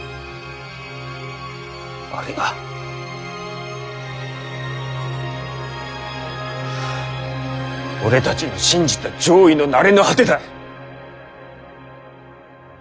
あれが俺たちの信じた攘夷の成れの果てだ。